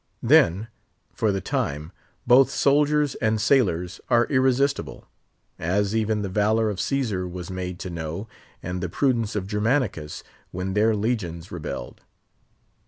Then for the time, both soldiers and sailors are irresistible; as even the valour of Caesar was made to know, and the prudence of Germanicus, when their legions rebelled.